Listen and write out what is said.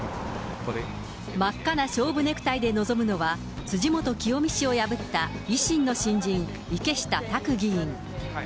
真っ赤な勝負ネクタイで臨むのは、辻元清美氏を破った維新の新人、池下卓議員。